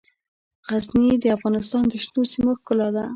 غزني د افغانستان د شنو سیمو ښکلا ده.